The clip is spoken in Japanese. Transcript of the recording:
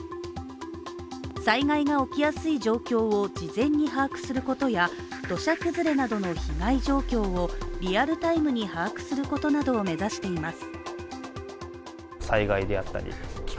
災害が起きやすい状況を事前に把握することや土砂崩れなどの被害状況をリアルタイムに把握することなどを目指しています。